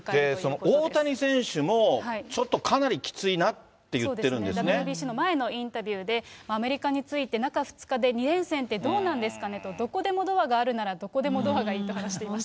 で、その大谷選手も、ちょっとかなりきついなって言ってるんＷＢＣの前のインタビューで、アメリカに着いて中２日で２連戦ってどうなんですかねと、どこでもドアがあるなら、どこでもドアがいいと話してました。